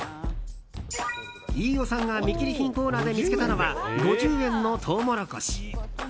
飯尾さんが見切り品コーナーで見つけたのは５０円のトウモロコシ。